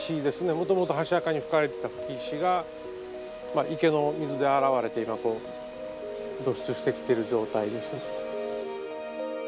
もともと箸墓に葺かれてた葺き石が池の水で洗われて今こう露出してきてる状態ですね。